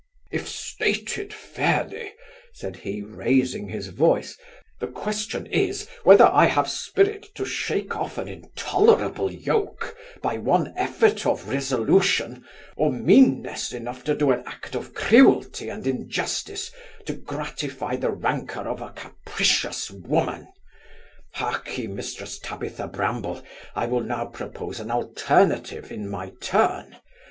'If stated fairly (said he, raising his voice) the question is, whether I have spirit to shake off an intolerable yoke, by one effort of resolution, or meanness enough to do an act of cruelty and injustice, to gratify the rancour of a capricious woman Heark ye, Mrs Tabitha Bramble, I will now propose an alternative in my turn.